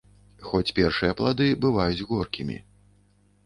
Хоць першыя плады бываюць горкімі.